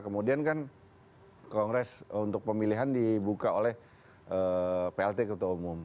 kemudian kan kongres untuk pemilihan dibuka oleh plt ketua umum